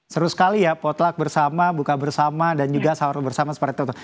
seru sekali ya potlak bersama buka bersama dan juga sahur bersama seperti itu